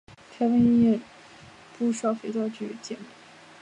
凯文也出演不少肥皂剧节目。